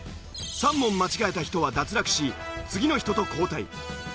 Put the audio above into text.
３問間違えた人は脱落し次の人と交代。